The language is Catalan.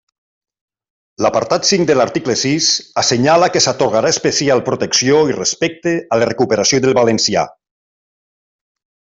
L'apartat cinc de l'article sis assenyala que s'atorgarà especial protecció i respecte a la recuperació del valencià.